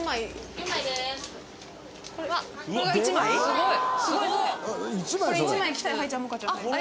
これ１枚きたよ